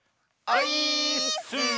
オイーッス！